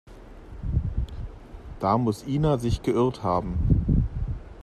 Da muss Ina sich geirrt haben.